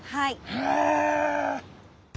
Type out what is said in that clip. へえ！